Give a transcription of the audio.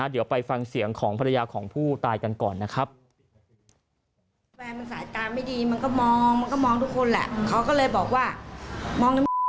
เดี๋ยวไปฟังเสียงของภรรยาของผู้ตายกันก่อนนะครับ